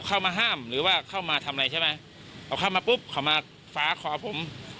เข้ามาห้ามหรือว่าเข้ามาทำอะไรใช่ไหมเอาเข้ามาปุ๊บเขามาฟ้าคอผม